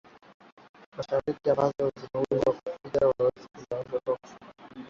mashariki ambazo zinazuia kufika kwa urahisi kutoka